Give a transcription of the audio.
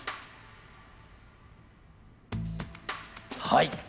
はい！